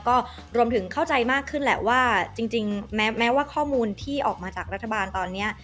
ก็รวมถึงเข้าใจมากขึ้นแหละว่าจริงแม้ว่าข้อมูลที่ออกมาจากรัฐบาลตอนนี้